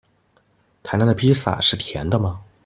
台南的披薩是甜的嗎？